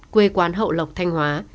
quê quán hậu lộc thanh hóa